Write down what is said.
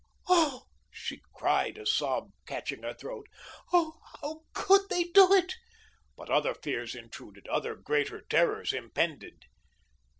"Oh," she cried, a sob catching her throat, "oh, how could they do it?" But other fears intruded; other greater terrors impended.